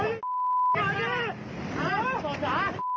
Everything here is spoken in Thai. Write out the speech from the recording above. เอ้ยเห้ยอ่ะส่งตัวดิ